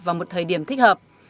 vào một thời điểm thích hợp